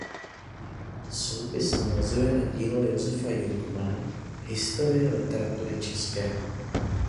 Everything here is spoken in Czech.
Soupis navazuje na dílo Josefa Jungmanna "Historie literatury české".